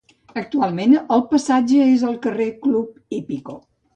Actualment el passatge és el carrer Club Hípico.